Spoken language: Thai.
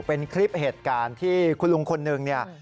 เป็นคลิปเหตุการณ์ที่คุณลุงคนหนึ่งเนี่ย